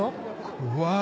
怖い。